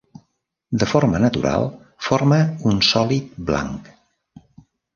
De forma natural forma un sòlid blanc.